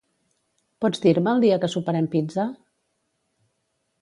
Pots dir-me el dia que soparem pizza?